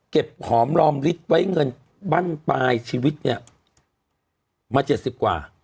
หอมรอมลิตรไว้เงินบั้นปลายชีวิตเนี่ยมา๗๐กว่า